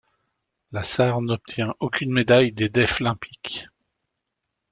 La Sarre n'obtient aucun médaille des Deaflympics.